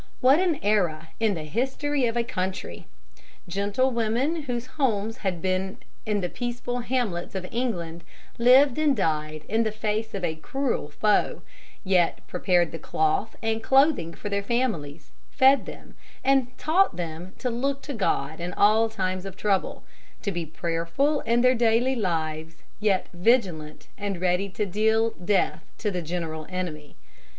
What an era in the history of a country! Gentlewomen whose homes had been in the peaceful hamlets of England lived and died in the face of a cruel foe, yet prepared the cloth and clothing for their families, fed them, and taught them to look to God in all times of trouble, to be prayerful in their daily lives, yet vigilant and ready to deal death to the general enemy.